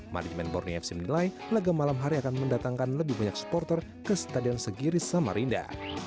manajemen borneo fc menilai laga malam hari akan mendatangkan lebih banyak supporter ke stadion segiris samarinda